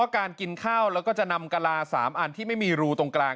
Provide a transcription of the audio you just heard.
การกินข้าวแล้วก็จะนำกะลา๓อันที่ไม่มีรูตรงกลาง